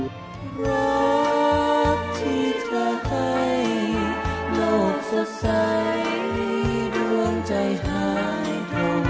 รักที่เธอให้โลกสดใสดวงใจหาย